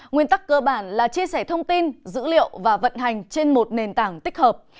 nguyên tắc cơ bản là chia sẻ thông tin dữ liệu và vận hành trên một nền tảng tích hợp